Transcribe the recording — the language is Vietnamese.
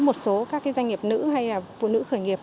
một số doanh nghiệp nữ hay là vô nữ khởi nghiệp